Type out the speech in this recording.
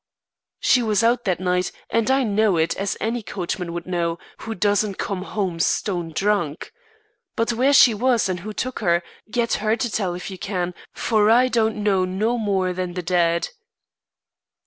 "She was out that night, and I know it, as any coachman would know, who doesn't come home stone drunk. But where she was and who took her, get her to tell if you can, for I don't know no more 'n the dead."